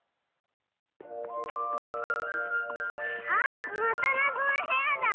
あまたなぞのへやだ！